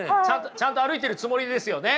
ちゃんと歩いているつもりですよね？